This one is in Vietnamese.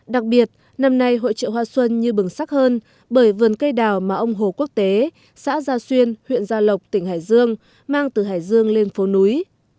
đặc biệt năm nay hội trợ hoa xuân như bừng sắc hơn bởi vườn cây đào mà ông hồ quốc tế xã gia xuyên huyện gia lộc tỉnh hải dương mang từ hải dương lên phố núi